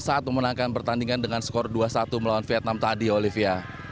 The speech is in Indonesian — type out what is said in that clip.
saat memenangkan pertandingan dengan skor dua satu melawan vietnam tadi olivia